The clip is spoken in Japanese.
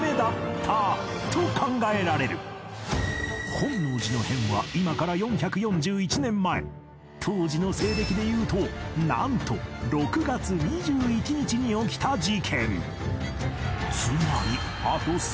本能寺の変は今から４４１年前当時の西暦で言うとなんと６月２１日に起きた事件